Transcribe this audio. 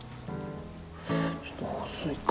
ちょっと細いか。